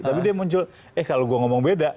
tapi dia muncul eh kalau gue ngomong beda